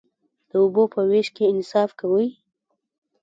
د اوبو په ویش کې انصاف کوئ؟